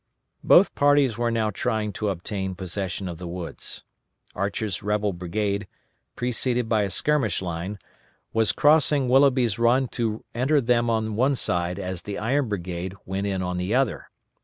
Both parties were now trying to obtain possession of the woods. Archer's rebel brigade, preceded by a skirmish line, was crossing Willoughby's Run to enter them on one side as the Iron Brigade went in on the other.